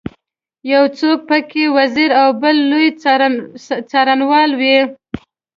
یو څوک په کې وزیر او بل لوی څارنوال وي.